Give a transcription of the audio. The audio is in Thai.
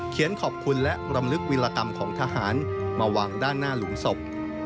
ขอบคุณและรำลึกวิรกรรมของทหารมาวางด้านหน้าหลุมศพ